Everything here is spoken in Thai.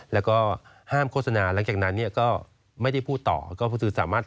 แล้วก็ห้ามโฆษณาหลังจากนั้นไม่ได้พูดต่อก็สามารถ